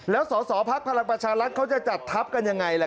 แล้วสอสอภักดิ์พลังประชารัฐเขาจะจัดทัพกันอย่างไร